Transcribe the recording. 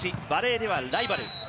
バレーではライバル。